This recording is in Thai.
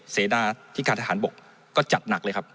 เสดาที่การทหารบกก็จัดหนักเลยครับ